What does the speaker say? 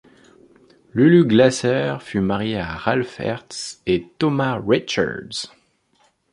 Lulu Glaser fut mariée à Ralph Herz et Thomas Richards.